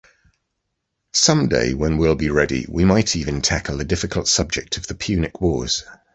Someday, when we’ll be ready, we might even tackle the difficult subject of the Punic Wars.